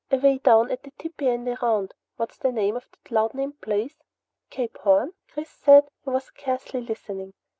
Away down at the tippy end around what's the name of that loud named place?" "Cape Horn?" Chris said. He was scarcely listening.